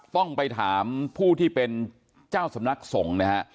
ต้องไปถามผู้ที่เป็นเจ้าสำนักสงฆ์นะฮะ